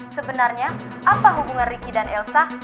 sebenarnya apa hubungan ricky dan elsa